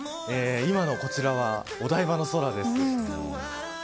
今のこちらは、お台場の空です。